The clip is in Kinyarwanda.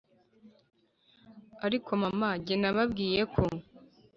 ariko mama jye nababwiye ko